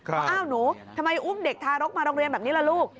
ว่าอ้าวหนูทำไมอุ้มเด็กทารกมาโรงเรียนแบบนี้ล่ะลูก